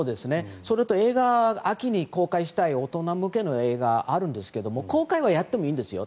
それと、秋に公開したい大人向けの映画があるんですが公開はやってもいいんですよ。